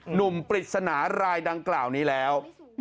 ปริศนารายดังกล่าวนี้แล้ว